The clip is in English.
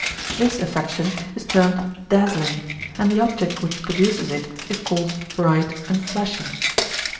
This affection is termed dazzling, and the object which produces it is called bright and flashing.